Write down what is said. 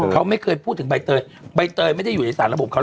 เขาไม่เคยพูดถึงใบเตยใบเตยไม่ได้อยู่ในสารระบบเขา